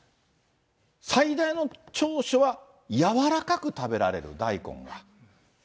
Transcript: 最大の長所は柔らかく食べられる、大根が。